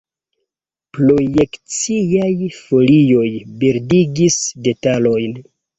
Projekciaj folioj bildigis detalojn.